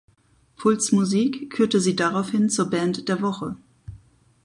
Puls Musik kürte sie daraufhin zur „Band der Woche“.